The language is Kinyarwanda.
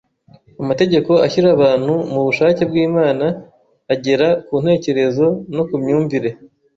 Amategeko ashyira abantu mu bushake bw’Imana ; agera ku ntekerezo no ku myumvire,